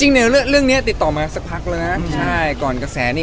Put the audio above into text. ผมว่าเรื่องนี้น่าจะมีทุกอย่างเลย